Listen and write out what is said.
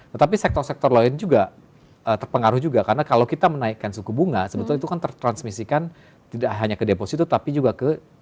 tetapi sektor sektor lain juga terpengaruh juga karena kalau kita menaikkan suku bunga sebetulnya itu kan tertransmisikan tidak hanya ke deposito tapi juga ke